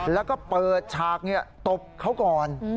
แล้วก็เปิดฉากตบเขาก่อน